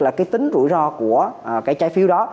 là cái tính rủi ro của cái trái phiếu đó